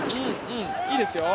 いいですよ。